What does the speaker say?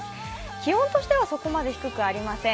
気温としてはそこまで低くありません。